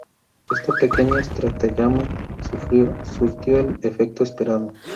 Esta pequeña estratagema surtió el efecto esperado.